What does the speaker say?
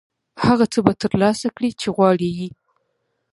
هغه څه به ترلاسه کړې چې غواړې یې.